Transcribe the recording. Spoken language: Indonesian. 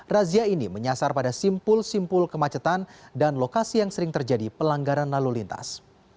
razia ini menyasar pada simpul simpul kemacetan dan lokasi yang sering terjadi pelanggaran lalu lintas